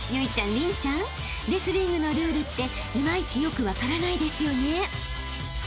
麟ちゃんレスリングのルールっていまいちよく分からないですよね］